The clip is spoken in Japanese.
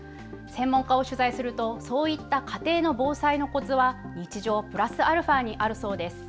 専門家を取材するとそういった家庭の防災のコツは日常プラスアルファにあるそうです。